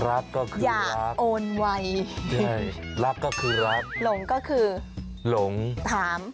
รักก็คืออยากโอนไวใช่รักก็คือรักหลงก็คือหลงถาม